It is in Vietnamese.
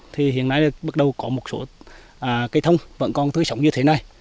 thì hiện nay bắt đầu có một số cây thông vẫn còn sống như thế này